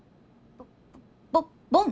ボボボン！？